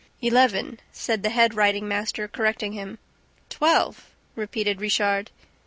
"Eleven," said the head riding master, correcting him. "Twelve," repeated Richard.